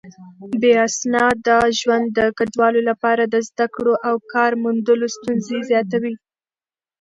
بې اسناده ژوند د کډوالو لپاره د زده کړو او کار موندلو ستونزې زياتوي.